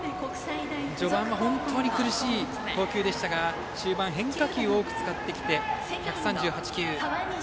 序盤は本当に苦しい投球でしたが中盤、変化球を多く使ってきて１３８球。